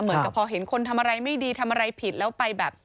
เหมือนกับพอเห็นคนทำอะไรไม่ดีทำอะไรผิดแล้วไปแบบ